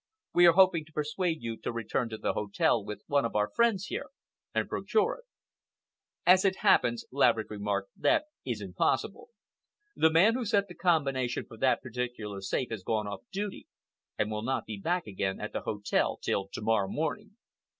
We are hoping to persuade you to return to the hotel with one of our friends here, and procure it." "As it happens," Laverick remarked, "that is impossible. The man who set the combination for that particular safe has gone off duty, and will not be back again at the hotel till to morrow morning."